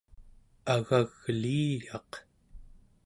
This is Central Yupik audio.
agagliiyaq